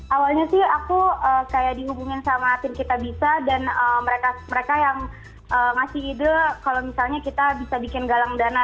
awalnya sih aku kayak dihubungin sama tim kita bisa dan mereka yang ngasih ide kalau misalnya kita bisa bikin galang dana